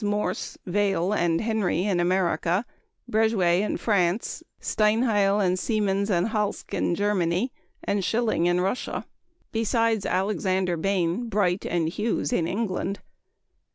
Morse, Vail, and Henry in America; Breguet in France; Steinheil and Siemens & Halske in Germany; and Schilling in Russia; besides Alexander Bain, Bright, and Hughes in England.